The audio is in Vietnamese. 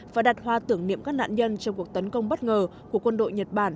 và đặt hoa tưởng niệm các nạn nhân trong cuộc tấn công bất ngờ của quân đội nhật bản